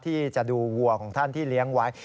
ที่จะดูวัวของท่านที่เลี้ยงไว้